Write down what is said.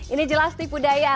ini jelas tipu daya